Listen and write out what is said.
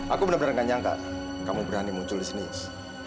aku benar benar gak nyangka kamu berani muncul di sinis